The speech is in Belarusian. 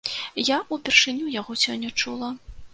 Я ўпершыню яго сёння чула.